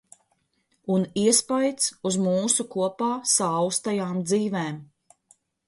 Un iespaids uz mūsu kopā saaustajām dzīvēm.